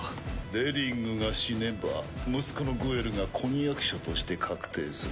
デリングが死ねば息子のグエルが婚約者として確定する。